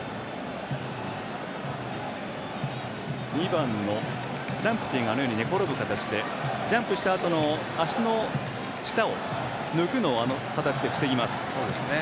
２番のランプティがゴール前に寝転ぶような形でジャンプしたあとの足の下を抜くのをあの形で防ぎます。